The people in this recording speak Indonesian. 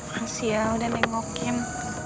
makasih ya udah nengokin